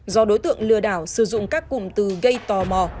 do đối tượng lừa đảo sử dụng các cụm từ gây tò mò